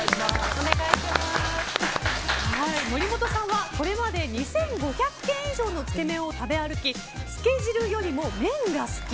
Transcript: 森本さんはこれまで２５００軒以上のつけ麺を食べ歩き、つけ汁よりも麺が好き